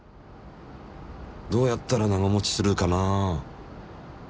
どうやったら長もちするかな？